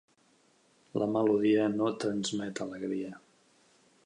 La melodia no transmet alegria.